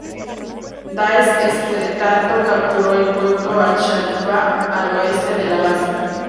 Daesh entretanto capturó el pueblo al-Sharifah al oeste de la base.